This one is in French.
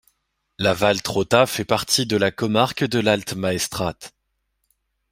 La Valltorta fait partie de la comarque de l'Alt Maestrat.